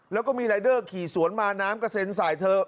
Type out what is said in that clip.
แล้วก็มีรายเดอร์ขี่สวนมาน้ำกระเซ็นใส่เธอ